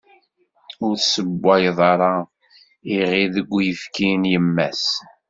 Ur tessewwayeḍ ara iɣid deg uyefki n yemma-s.